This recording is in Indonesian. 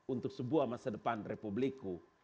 untuk sebuah masa depan republikku